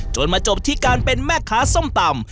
มาจบที่การเป็นแม่ค้าส้มตำ